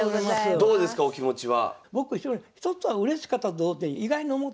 どうですかお気持ちは。